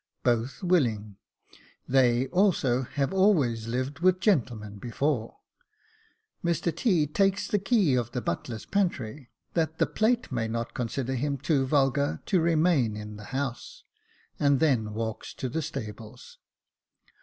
Both willing. They also had always lived with gentlemen before. Mr T. takes the key of the butler's pantry, that the plate may not consider him too vulgar to remain in the house, and then walks to the stables.